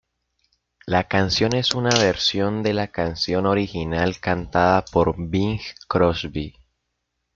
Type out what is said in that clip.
La canción es una versión de la canción original cantada por Bing Crosby.